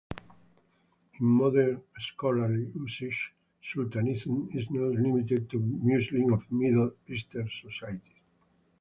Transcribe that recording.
In modern scholarly usage, sultanism is not limited to Muslim or Middle Eastern societies.